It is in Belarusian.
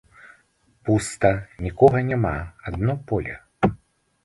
Пуста, нікога няма, адно поле.